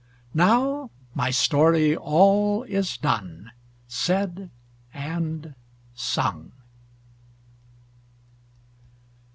Now my story all is done, Said and sung!